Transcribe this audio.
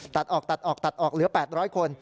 ตัดออกตัดออกตัดออกเหลือ๘๐๐คน